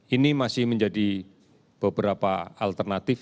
ini masih menjadi beberapa alternatif